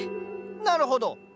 なるほど。